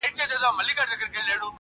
خو درد د ذهن له ژورو نه وځي هېڅکله،